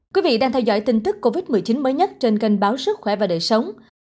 quý vị đang theo dõi tin tức covid một mươi chín mới nhất trên kênh báo sức khỏe và đời sống